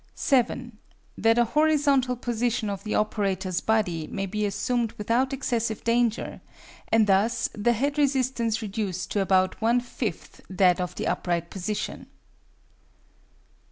7. That a horizontal position of the operator's body may be assumed without excessive danger, and thus the head resistance reduced to about one fifth that of the upright position.